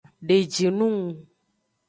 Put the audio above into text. Deji nung.